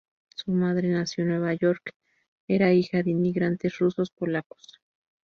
Su madre nació en nueva York, era hija de inmigrantes rusos-polacos.